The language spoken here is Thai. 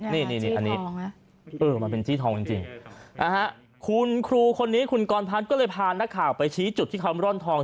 นี่นี่นี่อันนี้เออมันเป็นจี้ทองจริงจริงนะฮะคุณครูคนนี้คุณกรพัดก็เลยพานักข่าวไปชี้จุดที่คำร่อนทอง